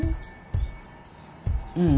うん？